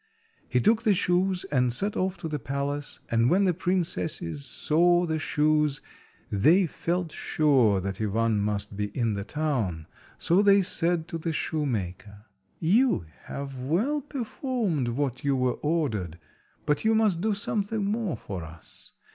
He took the shoes and set off to the palace; and when the princesses saw the shoes, they felt sure that Ivan must be in the town, so they said to the shoemaker— "You have well performed what you were ordered, but you must do something more for us.